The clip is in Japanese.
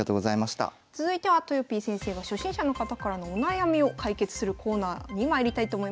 続いてはとよぴー先生が初心者の方からのお悩みを解決するコーナーにまいりたいと思います。